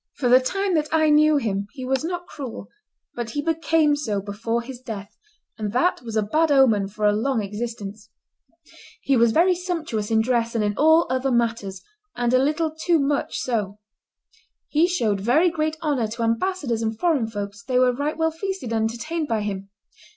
For the time that I knew him he was not cruel; but he became so before his death, and that was a bad omen for a long existence. He was very sumptuous in dress and in all other matters, and a little too much so. He showed very great honor to ambassadors and foreign folks; they were right well feasted and entertained by him.